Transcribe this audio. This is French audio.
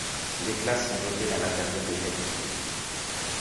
Les classes sont dotées d'un matériel de qualité.